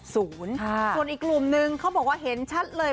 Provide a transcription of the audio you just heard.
ส่วนอีกกลุ่มนึงเขาบอกว่าเห็นชัดเลย